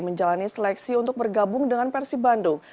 menjalani seleksi untuk bergabung dengan persib bandung